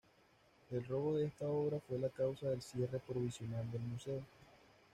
El robo de esta obra fue la causa del cierre "provisional" del museo.